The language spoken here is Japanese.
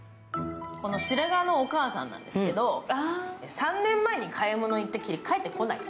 この白髪のお母さんなんですけれども、３年前に買い物に行ったっきり帰ってこない。